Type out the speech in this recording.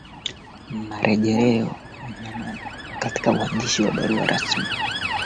weupeUgali wa mahindiUgali wa muhogo na mahindiWaliUgali wa mtamakipindi